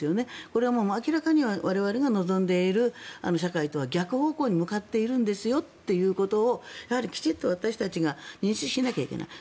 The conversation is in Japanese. これは明らかに我々が望んでいる社会とは逆方向に向かっているんですよということをやはり、きちんと私たちが認識しないといけない。